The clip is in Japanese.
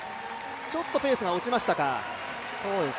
ちょっとペースが落ちましたか？